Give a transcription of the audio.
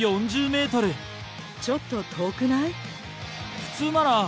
ちょっと遠くない？